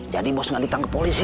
jadi bos gak ditangkap polisi